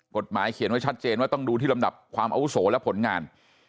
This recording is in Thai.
กฎหมายเขียนไว้ชัดเจนว่าต้องดูที่ลำดับความอาวุโสและผลงาน